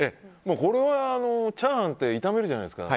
これはチャーハンって炒めるじゃないですか。